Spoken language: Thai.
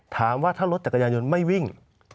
ถามว่าถ้ารถจักรยานยนต์ไม่วิ่ง